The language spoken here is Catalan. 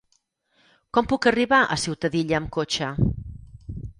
Com puc arribar a Ciutadilla amb cotxe?